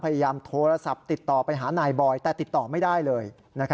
พยายามโทรศัพท์ติดต่อไปหานายบอยแต่ติดต่อไม่ได้เลย